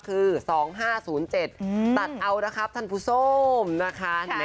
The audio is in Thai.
คือ๒๕๐๗ตัดเอานะครับท่านผู้ส้มนะคะ